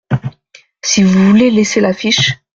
Si vous voulez laisser la fiche.